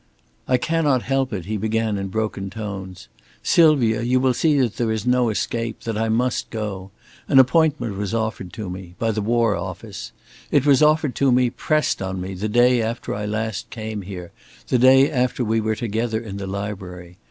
"I cannot help it," he began in broken tones. "Sylvia, you will see that there is no escape, that I must go. An appointment was offered to me by the War Office. It was offered to me, pressed on me, the day after I last came here, the day after we were together in the library.